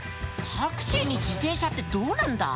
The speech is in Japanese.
タクシーに自転車ってどうなんだ？